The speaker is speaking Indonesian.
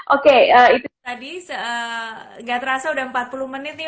oke itu tadi gak terasa udah empat puluh menit nih